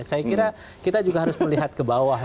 saya kira kita juga harus melihat ke bawah